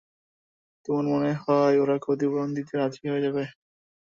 তোমার মনে হয় ওরা ক্ষতিপূরণ দিতে রাজি হয়ে যাবে?